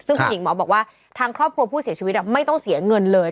ซึ่งคุณหญิงหมอบอกว่าทางครอบครัวผู้เสียชีวิตไม่ต้องเสียเงินเลย